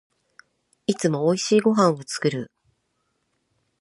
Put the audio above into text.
いつも美味しいご飯を作る